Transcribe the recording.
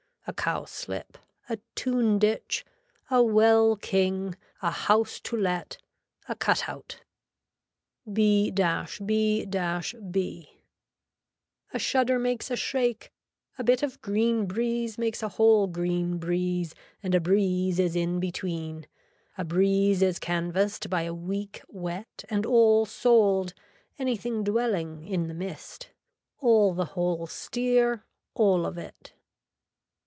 A cowslip. A tune ditch. A well king. A house to let. A cut out. B B B. A shudder makes a shake. A bit of green breeze makes a whole green breeze and a breeze is in between. A breeze is canvassed by a week wet and all sold, anything dwelling, in the mist. All the whole steer, all of it.